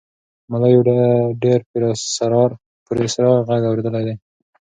ملا یو ډېر پراسرار غږ اورېدلی دی.